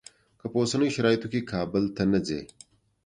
که په اوسنیو شرایطو کې کابل ته نه ځې.